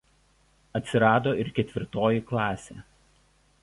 Atsirado ir ketvirtoji klasė.